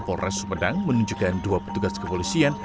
polres sumedang menunjukkan dua petugas kepolisian